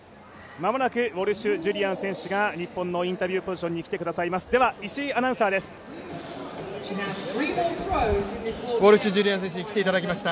間もなくウォルシュ・ジュリアン選手が日本のインタビューポジションに来てくださいます。